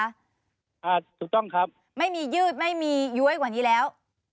ถูกต้องครับไม่มียืดไม่มีย้วยกว่านี้แล้ว